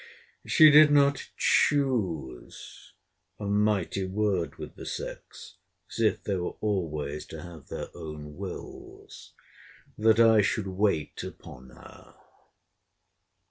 She did not choose, [a mighty word with the sex! as if they were always to have their own wills!] that I should wait upon her.